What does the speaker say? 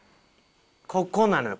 ここなのよ。